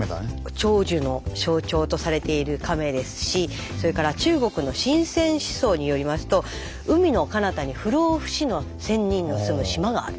長寿の象徴とされている亀ですしそれから中国の神仙思想によりますと海のかなたに不老不死の仙人の住む島がある。